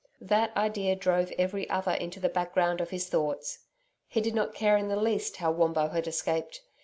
That idea drove every other into the background of his thoughts. He did not care in the least how Wombo had escaped.